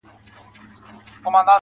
• د يوسفي ښکلا چيرمنې نوره مه راگوره_